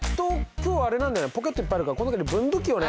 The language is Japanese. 今日あれなんだよポケットいっぱいあるからこの中に分度器をね。